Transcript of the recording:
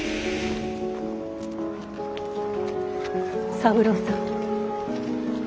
三郎さん。